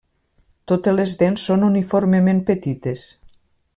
Totes les dents són uniformement petites.